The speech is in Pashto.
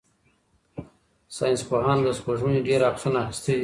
ساینس پوهانو د سپوږمۍ ډېر عکسونه اخیستي دي.